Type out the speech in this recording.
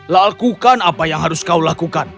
lakukan apa yang harus kau lakukan